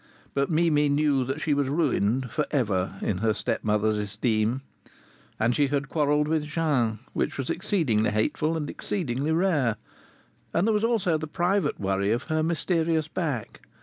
But Mimi knew that she was ruined for ever in her stepmother's esteem. And she had quarrelled with Jean, which was exceedingly hateful and exceedingly rare. And there was also the private worry of her mysterious back.